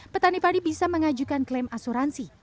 petani padi bisa mengajukan klaim asuransi